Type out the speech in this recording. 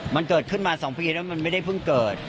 มันเกิดขึ้นมา๒ปีแล้วมันไม่ได้เพิ่งเกิด